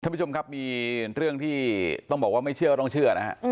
ท่านผู้ชมครับมีเรื่องที่ต้องบอกว่าไม่เชื่อต้องเชื่อนะฮะ